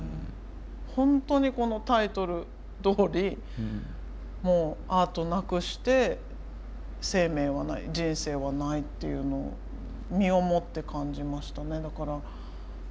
本当にこのタイトルどおりアートなくして生命はない人生はないっていうのを身をもって感じましたね。